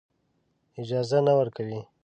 اجازه نه ورکوي.